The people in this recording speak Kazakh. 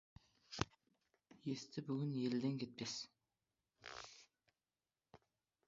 Есі бүтін елден кетпес.